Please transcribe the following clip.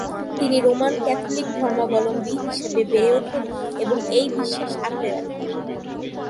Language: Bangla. তিনি রোমান ক্যাথলিক ধর্মাবলম্বী হিসেবে বেড়ে ওঠেন এবং এই বিশ্বাস আঁকড়ে রাখেন।